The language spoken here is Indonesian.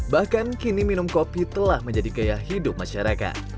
bahkan kini minum kopi telah menjadi gaya hidup masyarakat